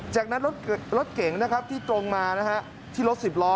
จากนั้นรถเก่งที่ตรงมาที่รถสิบล้อ